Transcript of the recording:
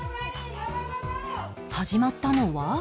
始まったのは